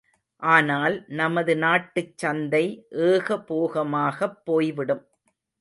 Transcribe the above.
ஆனால், நமது நாட்டுச் சந்தை ஏகபோகமாகப் போய்விடும்.